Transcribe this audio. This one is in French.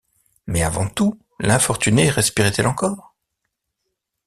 Mais avant tout, l’infortunée respirait-elle encore?